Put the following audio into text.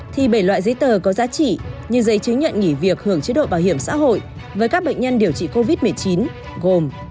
thì bảy loại giấy tờ có giá trị như giấy chứng nhận nghỉ việc hưởng chế độ bảo hiểm xã hội với các bệnh nhân điều trị covid một mươi chín gồm